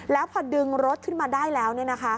แล้วพอดึงรถขึ้นมาได้แล้ว